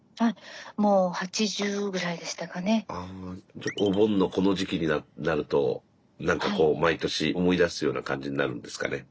ちょっとお盆のこの時期になると何かこう毎年思い出すような感じになるんですかね？